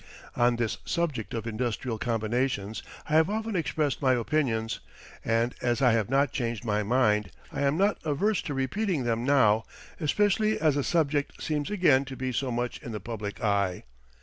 On this subject of industrial combinations I have often expressed my opinions; and, as I have not changed my mind, I am not averse to repeating them now, especially as the subject seems again to be so much in the public eye.